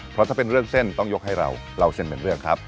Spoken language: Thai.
เพราะถ้าเป็นเรื่องเส้นต้องยกให้เราเล่าเส้นเป็นเรื่องครับ